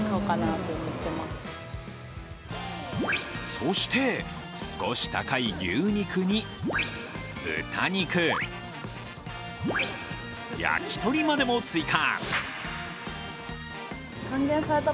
そして少し高い牛肉に豚肉、焼き鳥までも追加。